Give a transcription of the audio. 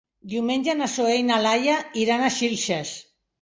Diumenge na Zoè i na Laia iran a Xilxes.